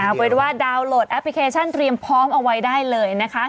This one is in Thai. เอาเป็นว่าดาวน์โหลดแอปพลิเคชันเตรียมพร้อมเอาไว้ได้เลยนะคะ